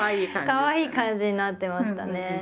かわいい感じになってましたね。